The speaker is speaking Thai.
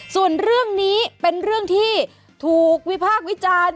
ส่วนเรื่องนี้เป็นเรื่องที่ถูกวิพากษ์วิจารณ์